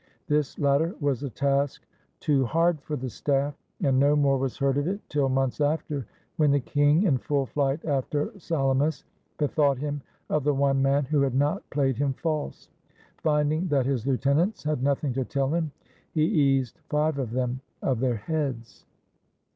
This latter was a task too hard for the staff, and no more was heard of it till months after, when the king, in full flight after Salamis, bethought him of the one man who had not played him false. Finding that his lieutenants had nothing to tell him, he eased five of them of their heads.